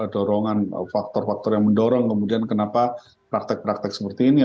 dorongan faktor faktor yang mendorong kemudian kenapa praktek praktek seperti ini